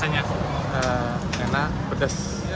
ya karena ciri ciri pedas